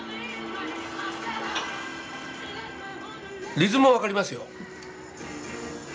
リズムは分かりますよ。